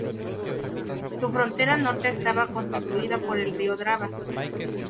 Su frontera norte estaba constituida por el río Drava.